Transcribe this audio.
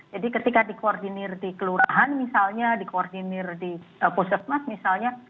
jadi ketika di koordinir di kelurahan misalnya di koordinir di pusat mas misalnya